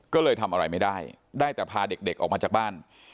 ก็เลยทำอะไรไม่ได้ได้แต่พาเด็กออกมาจากบ้าน